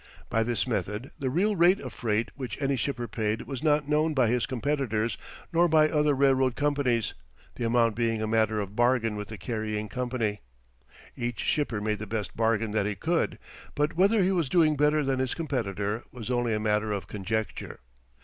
By this method the real rate of freight which any shipper paid was not known by his competitors nor by other railroad companies, the amount being a matter of bargain with the carrying company. Each shipper made the best bargain that he could, but whether he was doing better than his competitor was only a matter of conjecture.